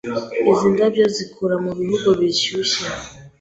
Izi ndabyo zikura mubihugu bishyushye.